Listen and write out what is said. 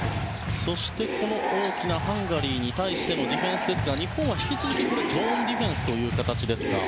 そして大きなハンガリーに対してのディフェンスですが日本は引き続きゾーンディフェンスという形ですか。